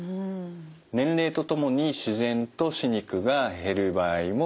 年齢と共に自然と歯肉が減る場合もございます。